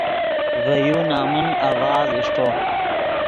ڤے یو نمن آڤاز اݰٹو